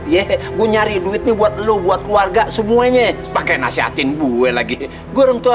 ye gue nyari duitnya buat lu buat keluarga semuanya pakai nasehatin gue lagi gue orang tua